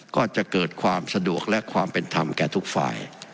ก็จะเกิดความสะดวกและความเป็นธรรมแก่ทุกฝ่าย